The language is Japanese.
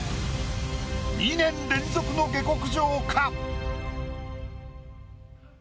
２年連続の下剋上か？